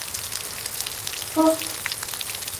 Сост.